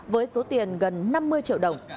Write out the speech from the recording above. với số tiền gần năm mươi triệu đồng